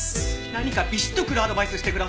何かビシッとくるアドバイスしてくださいよ。